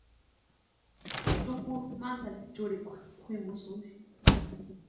Tukuru mantani chúrikwa kwʼimusïnti.